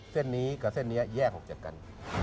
เส้นนี้กับเส้นนี้แยกออกจากกัน